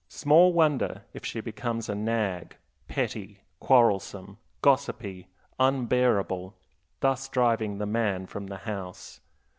Small wonder if she becomes a nag, petty, quarrelsome, gossipy, unbearable, thus driving the man from the house.